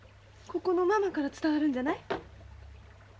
ここのママから伝わるんじゃない？